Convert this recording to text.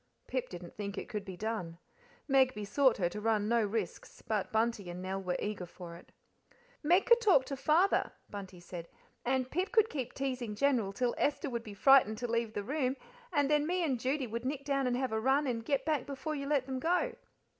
Pip didn't think it could be done; Meg besought her to run no risks; but Bunty and Nell were eager for it. "Meg could talk to Father," Bunty said, "and Pip could keep teasing General till Esther would be frightened to leave the room, and then me and Judy would nick down and have a run, and get back before you let them go."